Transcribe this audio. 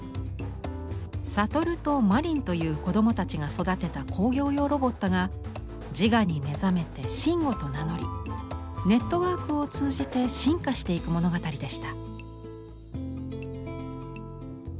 悟と真鈴という子供たちが育てた工業用ロボットが自我に目覚めて真悟と名乗りネットワークを通じて進化していく物語でした。